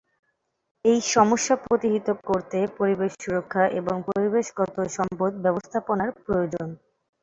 এই সমস্যা প্রতিহত করতে পরিবেশ সুরক্ষা এবং পরিবেশগত সম্পদ ব্যবস্থাপনার প্রয়োজন।